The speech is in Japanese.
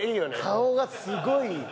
顔がすごいいい。